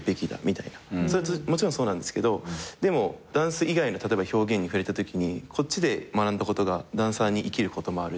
もちろんそうなんですけどでもダンス以外の表現に触れたときにこっちで学んだことがダンサーにいきることもあるし。